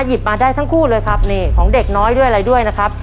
มาได้ทั้งคู่เลยครับนี่ของเด็กน้อยด้วยอะไรด้วยนะครับ